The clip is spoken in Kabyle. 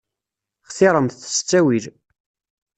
Xtiṛemt s ttawil.